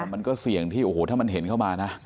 มันก็เสี่ยงที่โอ้โหถ้ามันเห็นเข้ามานะ